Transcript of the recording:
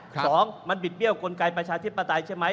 สองมันบิดเบี้ยกลไกประชาธิปไตยใช่ไหม